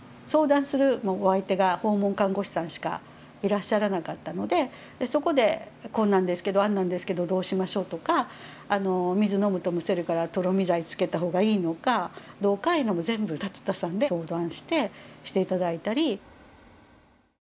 相談するお相手が訪問看護師さんしかいらっしゃらなかったのでそこで「こうなんですけどああなんですけどどうしましょう」とか水飲むとむせるからとろみ剤つけた方がいいのかどうかいうのも全部龍田さんに相談してして頂いたり。